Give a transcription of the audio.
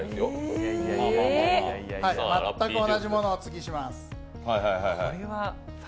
全く同じものをおつぎします。